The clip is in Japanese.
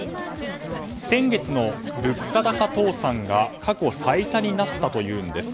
先月の物価高倒産が過去最多になったというんです。